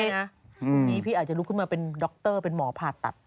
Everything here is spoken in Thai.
ตอนนี้พี่อาจจะลุกขึ้นมาเป็นด็อกเตอร์เป็นหมอผ่าตัด